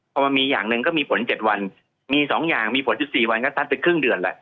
พอมันมีอย่างหนึ่งก็มีผลเจ็ดวันมีสองอย่างมีผลที่สี่วันก็ตั้งแต่ครึ่งเดือนแหละ